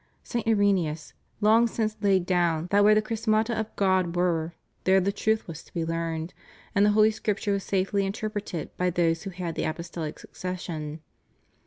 St. Irenseus long since laid down that where the chrismata of God were, there the truth was to be learned, and the Holy Scripture was safely interpreted by those who had the apostolic succession.